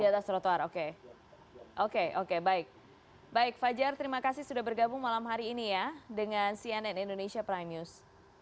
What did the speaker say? di atas trotoar oke oke baik baik fajar terima kasih sudah bergabung malam hari ini ya dengan cnn indonesia prime news